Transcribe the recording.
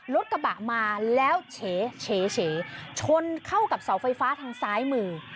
รถกระบะมาแล้วเฉชนเข้ากับเสาไฟฟ้าทางซ้ายมือ